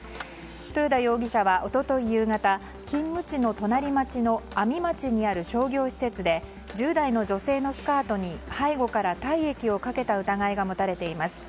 豊田容疑者は一昨日夕方勤務地の隣町の阿見町にある商業施設で１０代の女性のスカートに背後から体液をかけた疑いが持たれています。